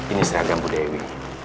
ini seragam bu dewi